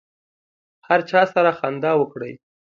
هر چا سره خندا وکړئ.